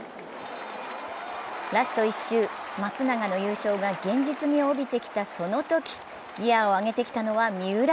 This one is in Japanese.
ラスト１周、松永の優勝が現実味を帯びてきたそのとき、ギヤを上げてきたのは、三浦。